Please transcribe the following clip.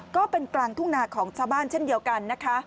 กลางทุ่งนาของชาวบ้านเช่นเดียวกันนะคะ